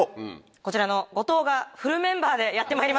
こちらの五島がフルメンバーでやってまいりました。